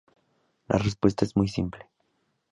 La respuesta es muy simple.